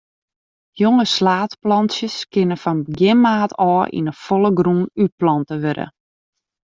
Jonge slaadplantsjes kinne fan begjin maart ôf yn 'e folle grûn útplante wurde.